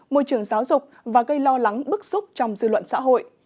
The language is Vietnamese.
môi trường giáo dục và gây lo lắng bức xúc trong dư luận xã hội